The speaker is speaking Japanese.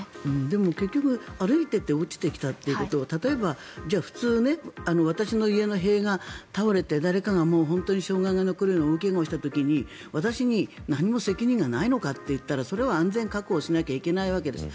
でも結局、歩いていて落ちてきたということは例えば、普通私の家の塀が倒れて誰かが障害が残るような大怪我をした時に私に何も責任がないのかと言ったらそれは安全確保しなきゃいけないわけです。